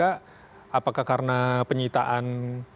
apakah karena penyitaan